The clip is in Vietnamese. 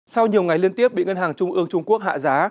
sau nhiều ngày liên tiếp bị ngân hàng trung ương trung quốc hạ giá